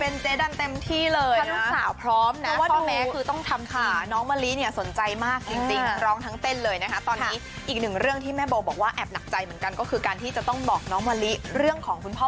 นี่คุณแม่แบบว่าเตรียมเป็นเจ๊ดันเต็มที่เลยนะ